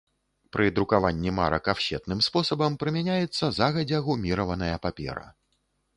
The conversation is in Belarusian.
Пры друкаванні марак афсетным спосабам прымяняецца загадзя гуміраваная папера.